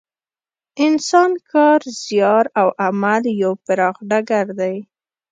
انسان کار، زیار او عمل یو پراخ ډګر دی.